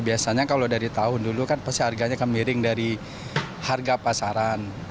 biasanya kalau dari tahun dulu kan pasti harganya kemiring dari harga pasaran